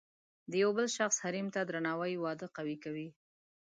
د یو بل شخصي حریم ته درناوی واده قوي کوي.